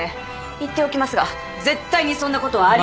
言っておきますが絶対にそんなことはあり得ま。